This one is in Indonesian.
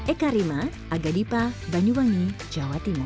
eka rima agadipa banyuwangi jawa timur